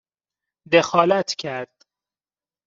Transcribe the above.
دخالت کرد